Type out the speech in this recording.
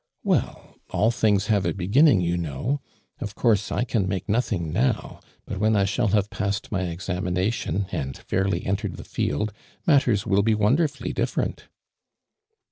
"Well, all things have a beginning you know. Of course, I can make nothing now, but when I shall have passed my exa mination, and fairly entered the tieUl. mat teitj will be wonderfully <lifterent."